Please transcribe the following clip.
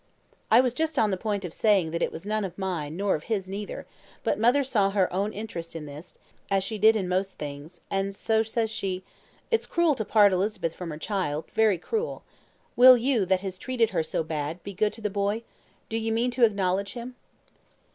"I was just on the point of saying it was none of mine, nor of his neither; but mother saw her own interest in this, as she did in most things, and so says she "'It's cruel to part Elizabeth from her child, very cruel. Will you, that has treated her so bad, be good to the boy? Do you mean to acknowledge him?'